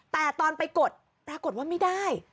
แต่ตอนไปกดปรากฏว่าไม่ได้